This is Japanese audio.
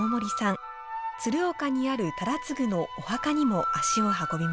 鶴岡にある忠次のお墓にも足を運びました。